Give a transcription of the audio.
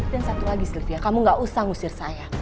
dan satu lagi sylvia kamu gak usah ngusir saya